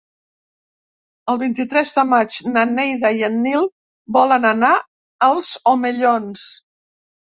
El vint-i-tres de maig na Neida i en Nil volen anar als Omellons.